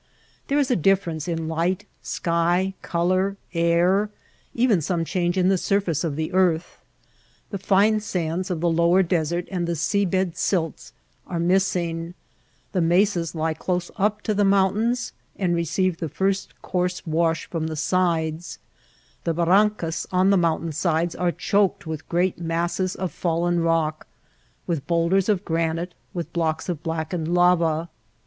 There is a difference in light, sky, color, air ; even some change in the surface of the earth. The fine sands of the lower desert and the sea bed silts are missing ; the mesas lie close up to the mountains and receive the first coarse wash from the sides ; the barrancas on the mountain sides are choked with great masses of fallen rock, with bowlders of granite, with blocks of blackened lava.